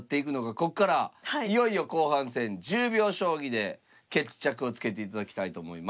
ここからいよいよ後半戦１０秒将棋で決着をつけていただきたいと思います。